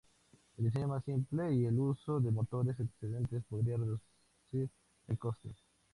El diseño más simple y el uso de motores excedentes podría reducir el coste.